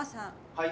はい。